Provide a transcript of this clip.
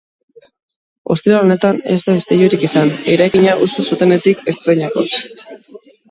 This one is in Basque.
Ostiral honetan ez da istilurik izan, eraikina hustu zutenetik estreinakoz.